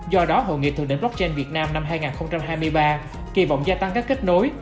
do đó hội nghị thượng đỉnh blockchain việt nam năm hai nghìn hai mươi ba kỳ vọng gia tăng các kết nối